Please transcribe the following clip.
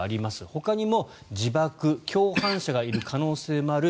ほかにも自爆共犯者がいる可能性もある。